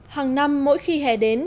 hàng năm mỗi khi hè đến